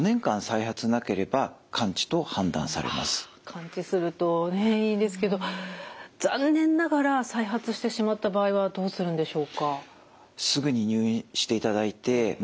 完治するとねいいですけど残念ながら再発してしまった場合はどうするんでしょうか？